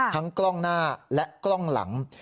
กล้องหน้าและกล้องหลัง